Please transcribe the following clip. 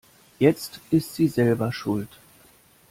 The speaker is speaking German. Jetzt ist sie selber schuld.